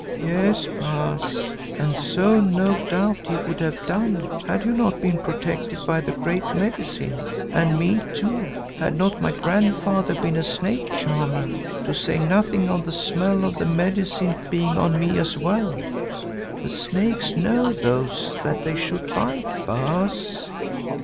"Yes, Baas, and so no doubt he would have done had you not been protected by the Great Medicine, and me too had not my grandfather been a snake charmer, to say nothing of the smell of the Medicine being on me as well. The snakes know those that they should bite, Baas."